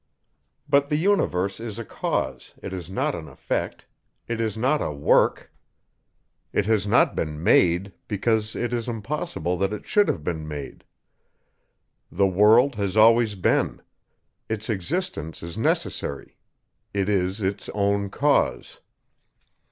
But the universe is a cause, it is not an effect; it is not a work; it has not been made, because it is impossible that it should have been made. The world has always been; its existence is necessary; it is its own cause.